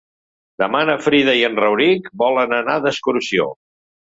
Demà na Frida i en Rauric volen anar d'excursió.